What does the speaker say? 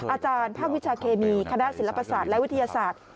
อาจารย์ภาควิชาเคมีคณะศิลปศาสตร์และวิทยาศาสตร์